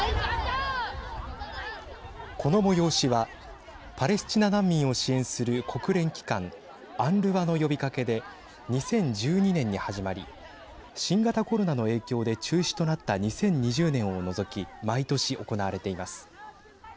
この催しはパレスチナ難民を支援する国連機関ＵＮＲＷＡの呼びかけで２０１２年に始まり新型コロナの影響で中止となった２０２０年を除き毎年行われています。